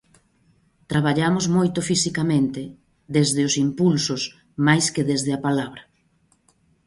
Traballamos moito fisicamente: desde os impulsos, máis que desde a palabra.